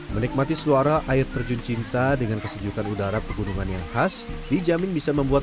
menikmati suara air terjun cinta dengan kesejukan udara pegunungan yang khas dijamin bisa membuat